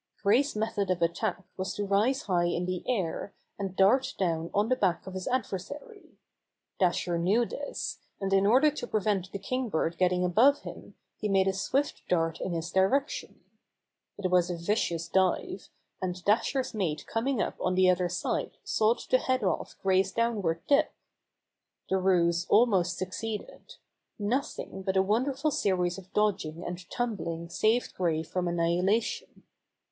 Gray's method of attack was to rise high in the air, and dart down on the back of his ad versary. Dasher knew this, and in order to prevent the Kingbird getting above him he made a swift dart in his direction. It was a vicious dive, and Dasher's mate coming up on the other side sought to head off Gray's down \^ard dip. The ruse almost succeeded. Noth ing but a wonderful series of dodging and tumbling saved Gray from annihilation.